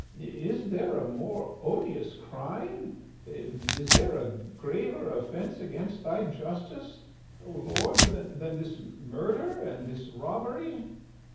Is there a more odious crime, is there a graver offence against thy justice, O Lord, than this murder and this robbery?"